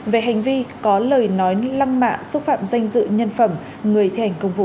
về hành vi có lời nói lăng mạ xúc phạm danh dự nhân phẩm người thi hành công vụ